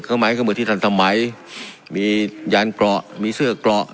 เครื่องมือเครื่องมือที่ทันสมัยมียานเกาะมีเสื้อกเกาะ